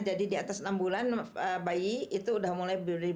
jadi di atas enam bulan bayi itu udah mulai bisa diberikan